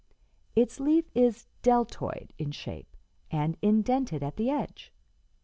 Its leaf is 'deltoid' in shape and indented at the edge.